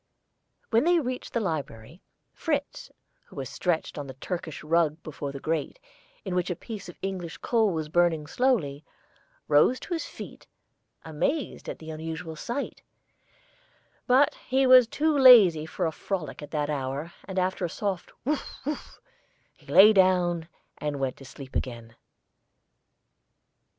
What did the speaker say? When they reached the library, Fritz, who was stretched on the Turkish rug before the grate, in which a piece of English coal was burning slowly, rose to his feet, amazed at the unusual sight; but he was too lazy for a frolic at that hour, and after a soft "wuf wuf" he lay down and went to sleep again.